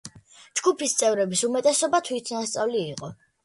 ჯგუფის წევრების უმეტესობა თვითნასწავლი იყო.